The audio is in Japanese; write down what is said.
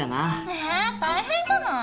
え大変じゃない。